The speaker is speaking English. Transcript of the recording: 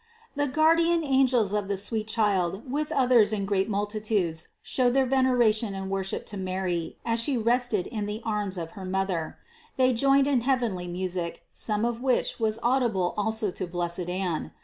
The guardian angels of the sweet Child with others in great multitudes showed their veneration and worship to Mary as She rested in the arms of her mother; they joined in heavenly music, some of which was audible also to blessed Anne.